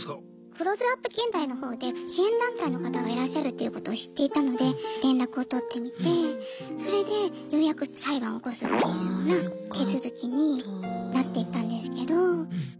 「クローズアップ現代」のほうで支援団体の方がいらっしゃるということを知っていたので連絡を取ってみてそれでようやく裁判を起こすっていうような手続きになってったんですけど。